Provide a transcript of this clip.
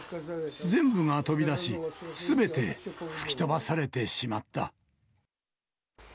全部が飛び出し、すべて吹き飛ばされてしまった。